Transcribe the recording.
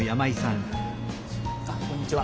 あっこんにちは。